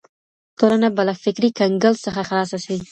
ټولنه به له فکري کنګل څخه خلاصه سي.